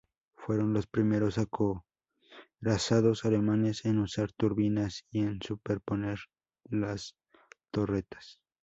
Fueron los primeros acorazados alemanes en usar turbinas y en superponer las torretas.